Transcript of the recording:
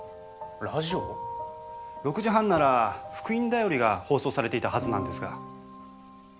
６時半なら復員便りが放送されていたはずなんですが。